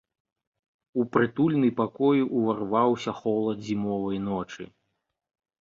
У прытульны пакой уварваўся холад зімовай ночы.